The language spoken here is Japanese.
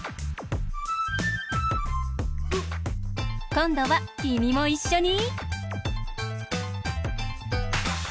こんどはきみもいっしょに。